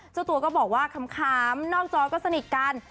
เจ้าตัวก็บอกว่าขำนอกจอก็สนิทกัน